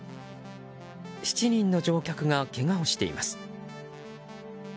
７人の乗客がけがをしています。